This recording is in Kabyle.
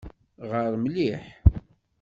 Ɣer mliḥ.